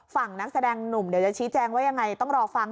นักแสดงหนุ่มเดี๋ยวจะชี้แจงว่ายังไงต้องรอฟัง